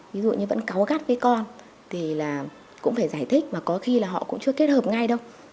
ví dụ như vẫn có gắt với con thì là cũng phải giải thích mà có khi là họ cũng chưa kết hợp ngay đâu